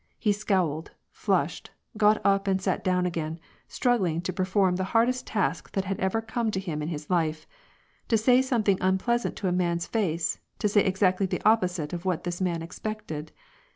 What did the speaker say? He scowled, flushed, got up and sat down again, struggling to per form the hardest task that had ever come to him in his life :— to say something unpleasant to a man's face, to say exactly the opposite of what this man expected.